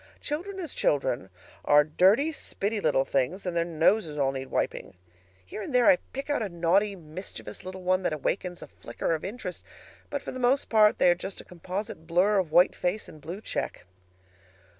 Children as children are dirty, spitty little things, and their noses all need wiping. Here and there I pick out a naughty, mischievous little one that awakens a flicker of interest; but for the most part they are just a composite blur of white face and blue check.